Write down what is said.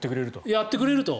やってくれると。